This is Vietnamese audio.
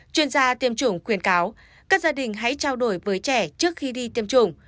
chuyên gia tiêm chủng khuyến cáo các gia đình hãy trao đổi với trẻ trước khi đi tiêm chủng